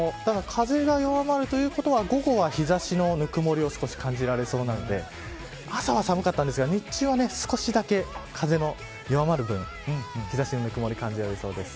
風が弱まるということは午後は日差しのぬくもりを少し感じられそうなんで朝は寒かったんですが日中は少しだけ、風の弱まる分日差しのぬくもり感じられそうです。